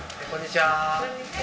こんにちは。